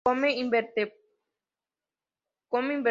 Come invertebrados.